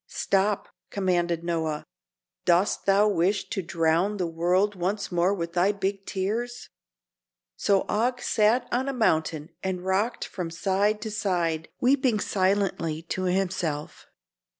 "Stop," commanded Noah. "Dost thou wish to drown the world once more with thy big tears?" So Og sat on a mountain and rocked from side to side, weeping silently to himself.